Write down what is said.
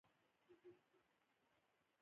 د کار له پیله تر اوولس سوه درې څلوېښت کاله پورې.